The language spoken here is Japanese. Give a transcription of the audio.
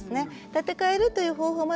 建て替えるという方法もあるし